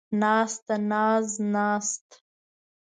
ناسته ، ناز ، ناست